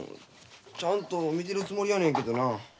ちゃんと見てるつもりやねんけどなあ。